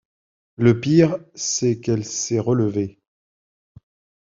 Le pire, c’est qu’elle s’est relevée.